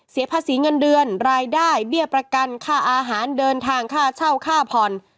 เสียภาษีเงินเดือนรายได้เบี้ยประกันค่าอาหารเดินทางค่าเช่าค่าผ่อน